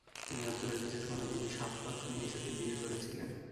তিনি আবদুল আজিজের কন্যা বিবি শাফাতুন্নিসাকে বিয়ে করেছিলেন।